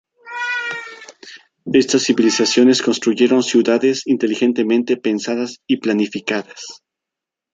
Estas civilizaciones construyeron ciudades inteligentemente pensadas y planificadas.